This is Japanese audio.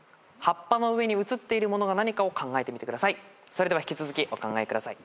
それでは引き続きお考えください。